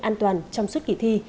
an toàn trong suốt kỳ thi